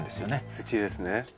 土ですね。